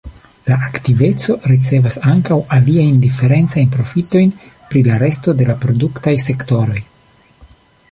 La aktiveco ricevas ankaŭ aliajn diferencajn profitojn pri la resto de la produktaj sektoroj.